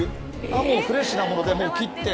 フレッシュなもので切って。